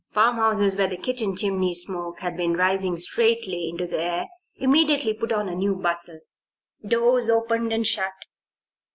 Farmhouses, where the kitchen chimney smoke had been rising straightly into the air, immediately put on a new bustle. Doors opened and shut.